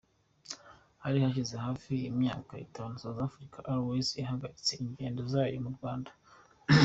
Hari hashize hafi imyaka itanu South African Airways ihagaritse ingendo zayo mu Rwanda.